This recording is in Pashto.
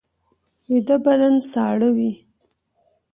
ویده بدن ساړه وي